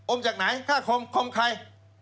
โอมจากไหนฆ่าความคลอมใคร